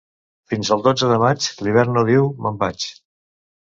Fins al dotze de maig l'hivern no diu: «me'n vaig».